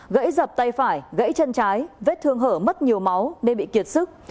gãy dập tay phải gãy chân trái vết thương hở mất nhiều máu nên bị kiệt sức